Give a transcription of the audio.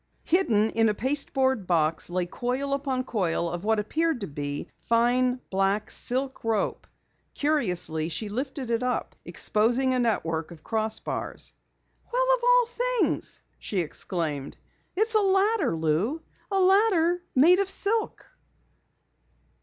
Hidden in a pasteboard box lay coil upon coil of what appeared to be fine, black silk rope. Curiously, she lifted it up, exposing a network of crossbars. "Well, of all things!" she exclaimed. "It's a ladder, Lou! A ladder made of silk!"